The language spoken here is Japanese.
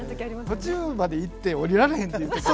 途中まで行って降りられへんっていうことは。